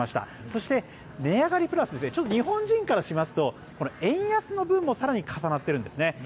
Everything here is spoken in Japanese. そして、値上がりプラス日本人からすると円安の分も更に重なっているんですね。